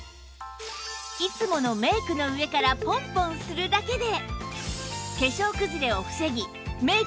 いつものメイクの上からポンポンするだけで